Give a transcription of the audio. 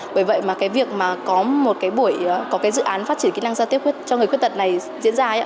bởi vậy mà cái việc mà có một cái buổi có cái dự án phát triển kỹ năng giao tiếp cho người khuyết tật này diễn ra